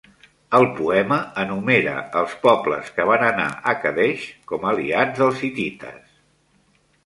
El poema enumera els pobles que van anar a Kadesh com aliats dels hitites.